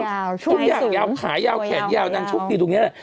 ช่วยสูงพรุ่งยากยาวขายาวแขนยาวนางชุดกี่ตรงนี้แหละ